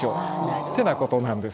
ってなことなんですね。